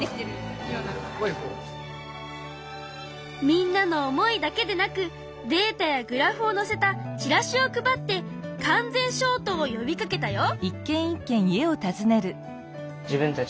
みんなの思いだけでなくデータやグラフをのせたチラシを配って完全消灯を呼びかけたよ。